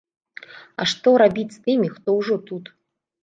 А што рабіць з тымі, хто ўжо тут?